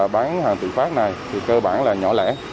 bán hàng tự phát này thì cơ bản là nhỏ lẻ